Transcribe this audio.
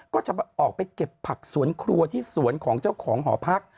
ก็จะออกไปเก็บผักสวนครัวที่สวนของเจ้าของหอพัก